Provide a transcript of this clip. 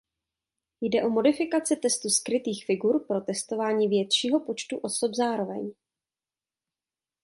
Jde o modifikaci testu skrytých figur pro testování většího počtu osob zároveň.